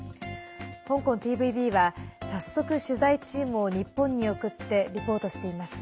香港ＴＶＢは早速、取材チームを日本に送ってリポートしています。